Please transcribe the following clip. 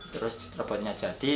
terus robotnya jadi